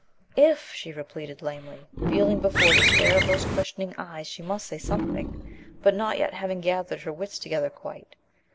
"If," she repeated lamely, feeling before the stare of those questioning eyes she must say something, but not yet having gathered her wits together quite.